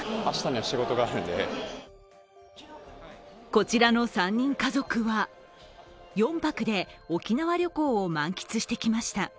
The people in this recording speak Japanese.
こちらの３人家族は、４泊で沖縄旅行を満喫してきました。